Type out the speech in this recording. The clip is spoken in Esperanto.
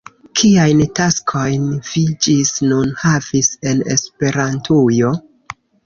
Kiajn taskojn vi ĝis nun havis en Esperantujo?